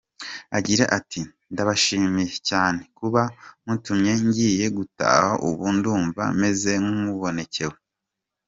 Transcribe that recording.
Agira ati “Ndabashimiye cyane kuba mutumye ngiye gutaha, ubu ndumva meze nk’ubonekewe.